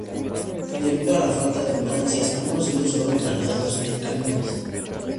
Debido a la falta de ambulancias, algunos heridos fueron trasladados en camiones.